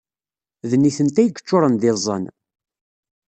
D nitenti ay yeččuṛen d iẓẓan.